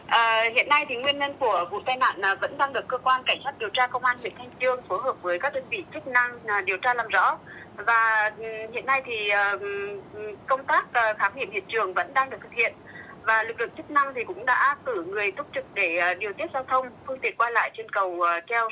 và lực lượng chức năng thì cũng đã cử người tốt trực để điều tiết giao thông